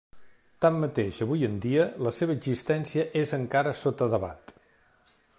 Tanmateix, avui en dia, la seva existència és encara sota debat.